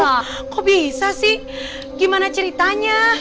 wah kok bisa sih gimana ceritanya